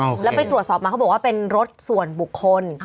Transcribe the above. แล้วไปตรวจสอบมาเขาบอกว่าเป็นรถส่วนบุคคล